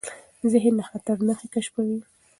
ذهن د خطر نښې کشفوي.